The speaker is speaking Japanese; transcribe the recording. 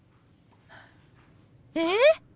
えっ！？